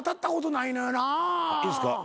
いいですか？